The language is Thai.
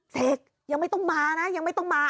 เสกยังไม่ต้องมานะยังไม่ต้องมา